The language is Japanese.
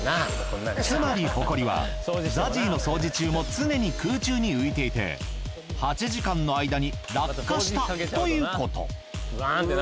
つまりホコリはＺＡＺＹの掃除中も常に空中に浮いていて８時間の間に落下したということ。